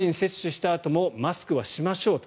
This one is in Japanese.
ワクチン接種したあともマスクはしましょうと。